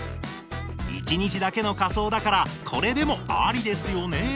１日だけの仮装だからこれでもアリですよね？